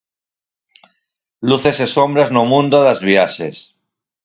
Luces e sombras no mundo das viaxes.